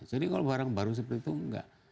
jadi kalau barang baru seperti itu enggak